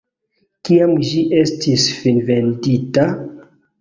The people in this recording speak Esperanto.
Kiam ĝi estis finvendita?